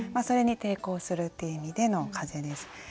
それに抵抗するっていう意味での「風」です。